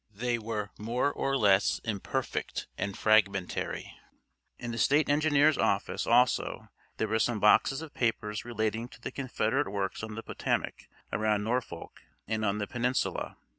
They were more or less imperfect and fragmentary. In the State Engineer's office also there were some boxes of papers relating to the Confederate works on the Potomac, around Norfolk, and on the Peninsula.